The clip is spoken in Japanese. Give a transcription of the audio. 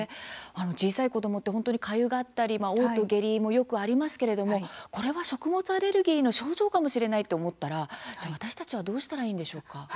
小さい子どもって本当にかゆがったり、おう吐、下痢もよくありますけれどもこれは食物アレルギーの症状かもしれないと思ったら私たちはどうしたらいいんでしょうか。